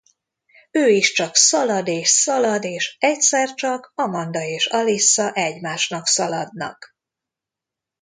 Ő is csak szalad és szalad és egyszer csak Amanda és Alyssa egymásnak szaladnak.